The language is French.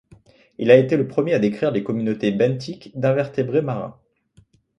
Il a été le premier à décrire les communautés benthiques d'invertébrés marins.